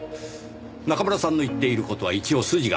中村さんの言っている事は一応筋が通っています。